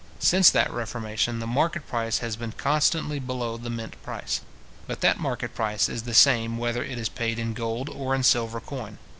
Since that reformation, the market price has been constantly below the mint price. But that market price is the same whether it is paid in gold or in silver coin.